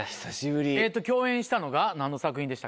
共演したのが何の作品でした？